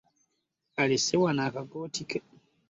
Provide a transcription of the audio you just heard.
Alese wano akakooti ke.